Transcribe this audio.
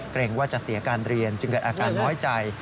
เกรงว่าจะเสียการเรียนจึงเกิดอาการน้อยใจ